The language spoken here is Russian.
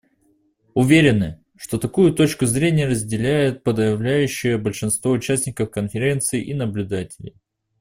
Уверены, что такую точку зрения разделяет подавляющее большинство участников Конференции и наблюдателей.